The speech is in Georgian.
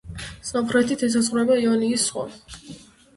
სამხრეთით ესაზღვრება იონიის ზღვა.